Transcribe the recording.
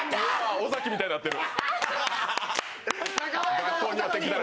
尾崎みたいなってる。